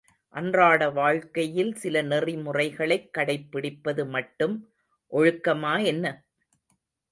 அன்றாட வாழ்க்கையில் சில நெறிமுறைகளைக் கடைப்பிடிப்பது மட்டும் ஒழுக்கமா என்ன?